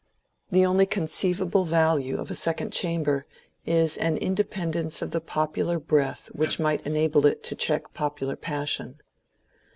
The only conceivable value of a sec* ond chamber is an independence of the popular breath which might enable it to check popular passion.